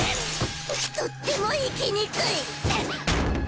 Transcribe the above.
とっても生きにくい。